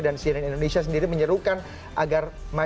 dan siren indonesia sendiri menyerukan agar masyarakat bisa berbicara